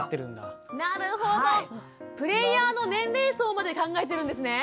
プレーヤーの年齢層まで考えてるんですね？